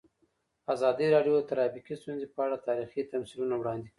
ازادي راډیو د ټرافیکي ستونزې په اړه تاریخي تمثیلونه وړاندې کړي.